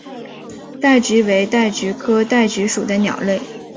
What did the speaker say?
戴菊为戴菊科戴菊属的鸟类。